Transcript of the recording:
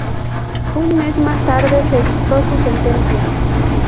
Un mes más tarde se dictó su sentencia.